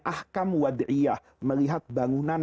ahkam wa di'iyah melihat bangunan